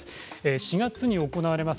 ４月に行われます。